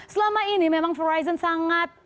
selama ini memang verizon sangat